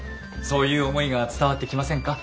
そういう思いが伝わってきませんか？